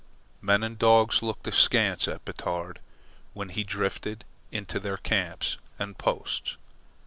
Men and dogs looked askance at Batard when he drifted into their camps and posts.